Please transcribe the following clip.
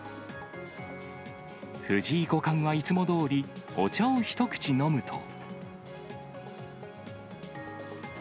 藤井五冠は、いつもどおりお茶を一口飲むと。